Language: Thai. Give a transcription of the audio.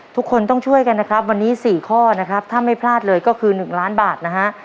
ทุกคนต้องช่วยกันนะครับวันนี้๔ข้อนะครับถ้าไม่พลาดเลยก็คือ๑ล้านบาทนะฮะ